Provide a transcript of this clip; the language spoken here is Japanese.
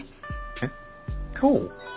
えっ今日？